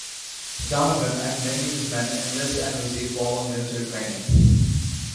Donovan and many of his men enlist and receive formal military training.